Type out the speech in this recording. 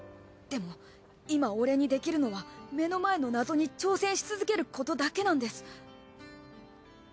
でも今俺にできるのは目の前の謎に挑戦し続けることだけなんです。